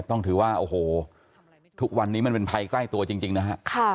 ต้องถือว่าโอ้โหทุกวันนี้มันเป็นภัยใกล้ตัวจริงนะฮะ